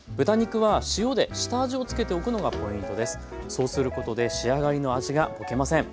そうすることで仕上がりの味がぼけません。